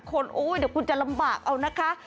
โอ๊ยเดี๋ยวคุณจะลำบากเอานะคะ